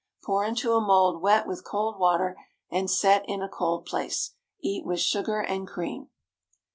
Pour into a mould wet with cold water, and set in a cold place. Eat with sugar and cream.